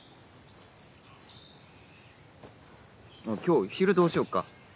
今日昼どうしよっか？